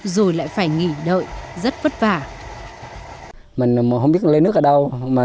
rồi lại phải nghỉ đợi rất vất vả